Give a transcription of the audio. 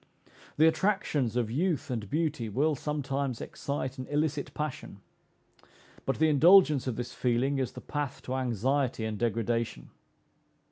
The attractions of youth and beauty will sometimes excite an illicit passion, but the indulgence of this feeling is the path to anxiety and degradation.